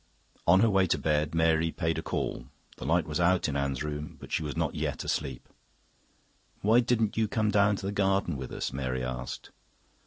On her way to bed Mary paid a call. The light was out in Anne's room, but she was not yet asleep. "Why didn't you come down to the garden with us?" Mary asked.